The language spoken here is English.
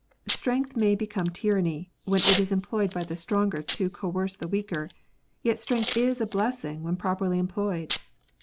Strength may become tyranny, when it is employed by the stronger to coerce the weaker ; yet strength is a blessing when properly employed.